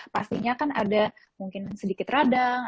pastinya kan ada mungkin sedikit radang